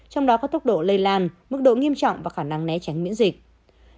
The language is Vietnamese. trong đó có tốc độ lây lan mức độ nghiêm trọng và khả năng né tránh miễn dịch